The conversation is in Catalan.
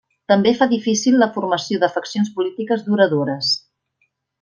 També fa difícil la formació de faccions polítiques duradores.